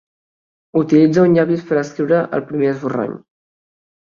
Utilitza un llapis per escriure el primer esborrany.